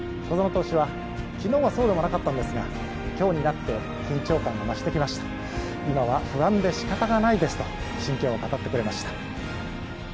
小園投手は昨日はそうでもなかったのですが、今日になって緊張感が増してきました、今は不安でしかたがないですと、心境を語ってくれました。